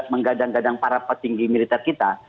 menggadang gadang para petinggi militer kita